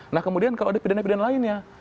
nah kemudian kalau ada pidana pidana lainnya